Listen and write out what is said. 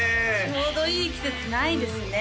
ちょうどいい季節ないですね